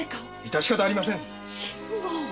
致し方ありません！